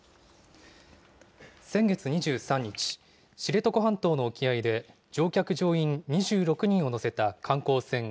先月２３日、知床半島の沖合で乗客・乗員２６人を乗せた観光船